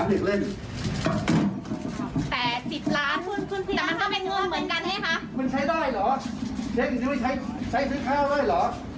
อาจจะพี่เอาไปธนาคารพี่ก็มันก็ออกมาเป็นเงินสดสิบล้านได้นี่คะ